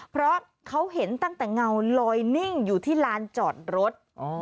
เพราะเขาเห็นตั้งแต่เงาลอยนิ่งอยู่ที่ลานจอดรถ